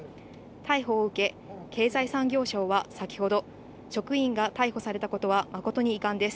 逮捕を受け、経済産業省は先ほど、職員が逮捕されたことは誠に遺憾です。